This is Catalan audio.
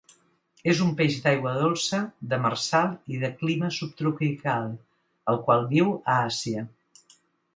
És un peix d'aigua dolça, demersal i de clima subtropical, el qual viu a Àsia.